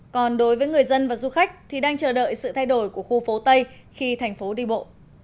còn đối với người dân và du khách thì đang chờ đợi sự thay đổi của khu phố tây khi thành phố đi bộ